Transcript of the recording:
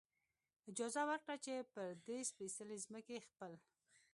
اجازه ورکړه، چې پر دې سپېڅلې ځمکې خپل.